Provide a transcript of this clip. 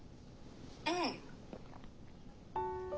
うん。